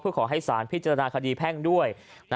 เพื่อขอให้ศาลพิจารณาคดีแพ่งด้วยนะ